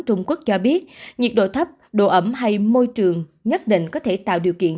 trung quốc cho biết nhiệt độ thấp độ ẩm hay môi trường nhất định có thể tạo điều kiện